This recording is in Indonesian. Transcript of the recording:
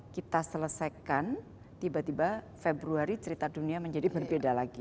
kita selesaikan tiba tiba februari cerita dunia menjadi berbeda lagi